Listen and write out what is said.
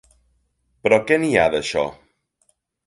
Però què n'hi ha, d'això?